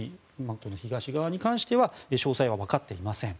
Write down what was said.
この東側に関しては詳細はわかっていません。